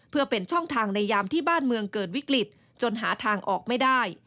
เพื่อเป็นช่องทางในยามที่บ้านเมืองเกิดวิกฤตจนหาทางออกไม่ได้